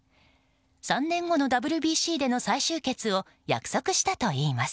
３年後のＷＢＣでの再集結を約束したといいます。